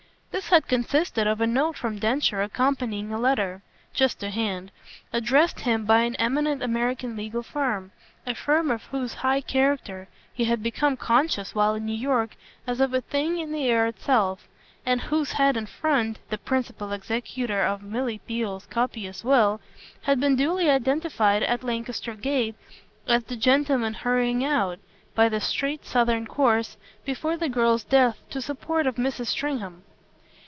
This had consisted of a note from Densher accompanying a letter, "just to hand," addressed him by an eminent American legal firm, a firm of whose high character he had become conscious while in New York as of a thing in the air itself, and whose head and front, the principal executor of Milly Theale's copious will, had been duly identified at Lancaster Gate as the gentleman hurrying out, by the straight southern course, before the girl's death, to the support of Mrs. Stringham.